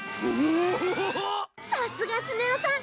さすがスネ夫さん。